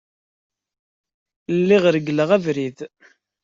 Lliɣ reggleɣ abrid.